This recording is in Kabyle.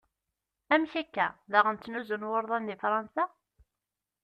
Amek akka? Daɣen ttnuzun wurḍan di Fransa?